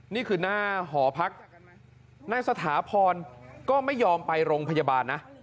นี่คือหน้าหอพักนายสถาพรก็ไม่ยอมไปโรงพยาบาลนะ